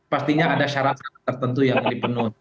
pastinya ada syarat syarat tertentu yang dipenuhi